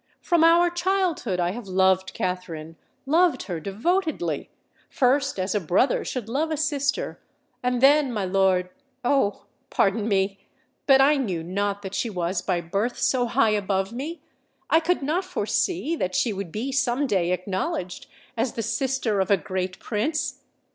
From our childhood I have loved Katherine—loved her devotedly,—first as a brother should love a sister—and then, my lord—oh! pardon me—but I knew not that she was by birth so high above me—I could not foresee that she would be some day acknowledged as the sister of a great Prince!